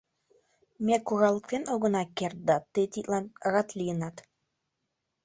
— Ме куралыктен огына керт, да тый тидлан рад лийынат!